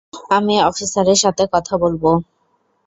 আমি অফিসারের সাথে কথা বলবো।